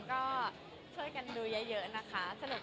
ก็ช่วยกันดูเยอะนะคะ